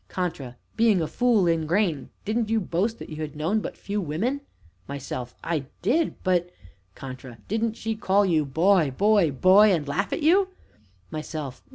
CONTRA. Being a fool ingrain, didn't you boast that you had known but few women? MYSELF. I did, but CONTRA. Didn't she call you boy! boy! boy! and laugh at you? MYSELF.